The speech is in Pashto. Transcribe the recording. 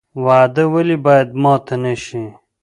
وعده ولې باید ماته نشي؟